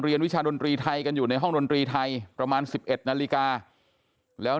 วิชาดนตรีไทยกันอยู่ในห้องดนตรีไทยประมาณ๑๑นาฬิกาแล้ว